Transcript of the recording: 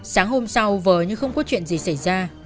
sáng hôm sau vờ nhưng không có chuyện gì xảy ra